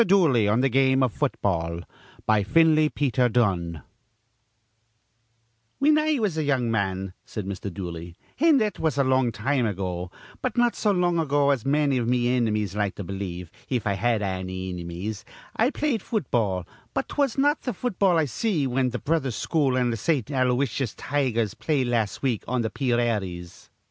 DOOLEY ON THE GAME OF FOOTBALL BY FINLEY PETER DUNNE "Whin I was a young man," said Mr. Dooley, "an' that was a long time ago, but not so long ago as manny iv me inimies'd like to believe, if I had anny inimies, I played fut ball, but 'twas not th' fut ball I see whin th' Brothers' school an' th' Saint Aloysius Tigers played las' week on th' pee raries.